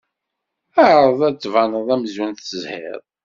Ɛreḍ ad d-tbaned amzun tezhid.